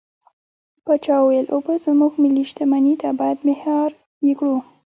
پاچا وويل: اوبه زموږ ملي شتمني ده بايد مهار يې کړو.